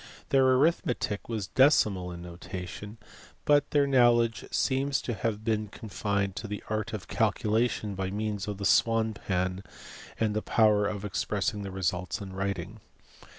Their arithmetic was decimal in notation, but their knowledge seems to have been con fined to the art of calculation by means of the swan pan, and the power of expressing the results in writing.